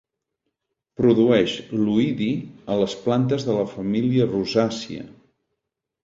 Produeix l'oïdi a les plantes de la família rosàcia.